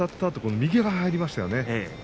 あと右が入りましたね。